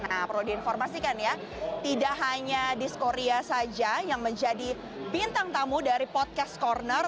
nah perlu diinformasikan ya tidak hanya disco ria saja yang menjadi bintang tamu dari podcast corner